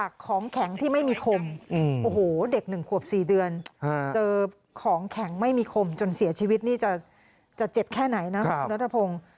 ของแข็งไม่มีคมจนเสียชีวิตนี่จะเจ็บแค่ไหนนะครับรัฐพงศ์